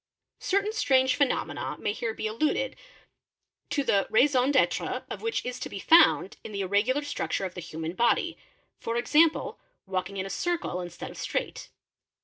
ph Certain strange phenomena may here be alluded, to the raison d'étre of. which is to be found in the irregular structure of the human body, e.g. walking in a circle instead of straight.